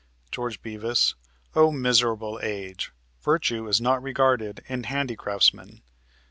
George Bevis. O miserable age! Virtue is not regarded in handicraftsmen.